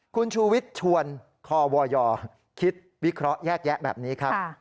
คุณชูวิทย์ชวนควยคิดวิเคราะห์แยกแยะแบบนี้ครับ